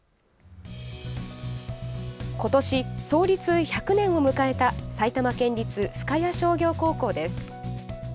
今年、創立１００年を迎えた埼玉県立深谷商業高校です。